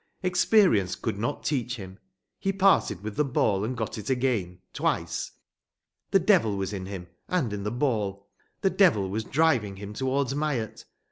Experience could not teach him. He parted with the ball and got it again, twice. The devil was in him and in the ball. The devil was driving him towards Myatt.